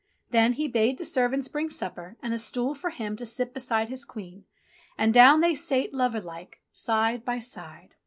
Then he bade the servants bring supper, and a stool for him to sit beside his Queen, and down they sate lover like, side by side.